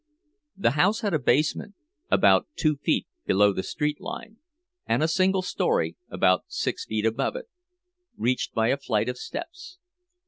The house had a basement, about two feet below the street line, and a single story, about six feet above it, reached by a flight of steps.